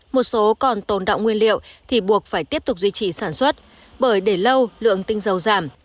một số còn tồn đọng nguyên liệu thì buộc phải tiếp tục duy trì sản xuất bởi để lâu lượng tinh dầu giảm